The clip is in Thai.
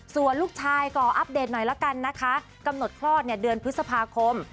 ส่วนลูกชายขออัปเดตหน่อยละกันนะคะกำหนดคลอดเนี่ยเดือนพฤษภาคม